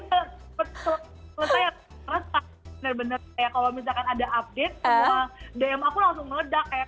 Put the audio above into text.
kalau misalkan ada update semua dm aku langsung ngeda kayak